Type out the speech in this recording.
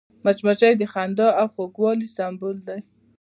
مچمچۍ د خندا او خوږوالي سمبول ده